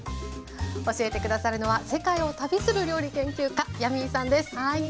教えて下さるのは世界を旅する料理研究家ヤミーさんです。